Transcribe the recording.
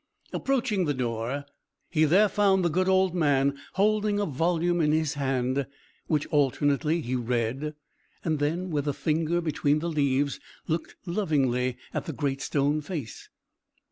Approaching the door, he there found the good old man holding a volume in his hand, which alternately he read, and then, with a finger between the leaves, looked lovingly at the Great Stone Face.